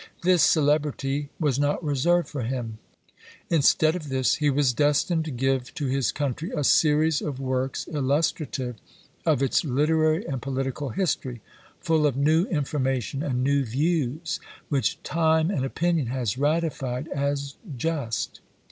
This celebrity was not reserved for him: instead of this he was destined to give to his country a series of works illustrative of its literary and political history, full of new information and new views, which time and opinion has ratified as just.